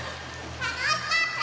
たのしかった！